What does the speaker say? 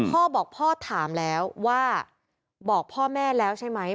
พ่อบอกพ่อถามแล้วว่าบอกพ่อแม่แล้วใช่ไหม